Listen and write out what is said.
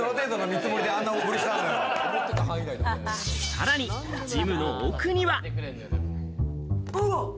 さらにジムの奥には。